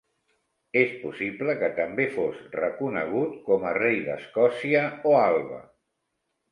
És possible que també fos reconegut com a rei d'Escòcia o Alba.